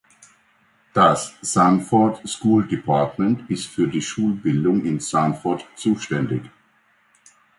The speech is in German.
Das Sanford School Department ist für die Schulbildung in Sanford zuständig.